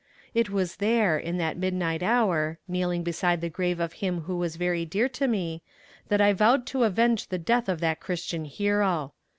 It was there, in that midnight hour, kneeling beside the grave of him who was very dear to me, that I vowed to avenge the death of that christian hero.